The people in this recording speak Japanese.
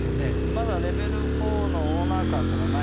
まだレベル４のオーナーカーっていうのはないので。